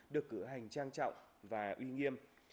được cử hành trang trọng và uy nghiêm